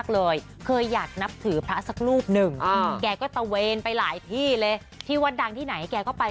แล้วเราก็เลยสบายใจ